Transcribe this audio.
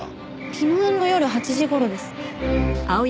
昨日の夜８時頃です。